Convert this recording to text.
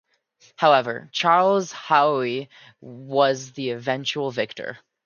However Charles Haughey was the eventual victor.